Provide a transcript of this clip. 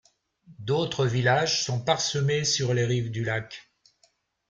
D'autres villages sont parsemés sur les rives du lac.